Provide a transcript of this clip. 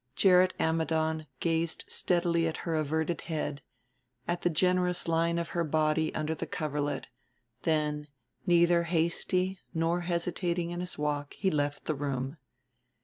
Gerrit Ammidon gazed steadily at her averted head, at the generous line of her body under the coverlet; then, neither hasty nor hesitating in his walk, he left the room.